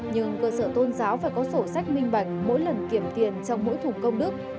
nhưng cơ sở tôn giáo phải có sổ sách minh bạch mỗi lần kiểm tiền trong mỗi thủ công đức